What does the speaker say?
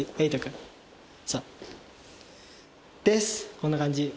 こんな感じ。